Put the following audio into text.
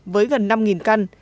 với gần năm căn